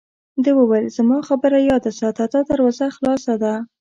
ده وویل: زما خبره یاد ساته، دا دروازه خلاصه ده.